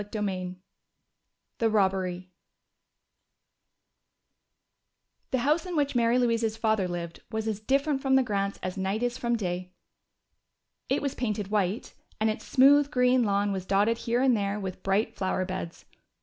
CHAPTER II The Robbery The house in which Mary Louise's family lived was as different from the Grants' as day is from night. It was painted white, and its smooth green lawn was dotted here and there with bright flower beds.